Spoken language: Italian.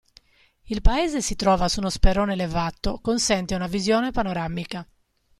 Il paese si trova su uno sperone elevato consente una visione panoramica.